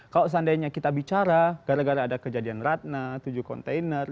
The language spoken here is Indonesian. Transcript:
kalau seandainya kita bicara gara gara ada kejadian ratna tujuh kontainer